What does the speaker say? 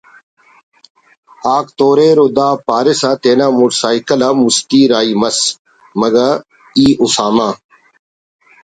آک توریر او دا پارسا تینا motor cycle آ مستی راہی مس ”مگہ ای اُسامہ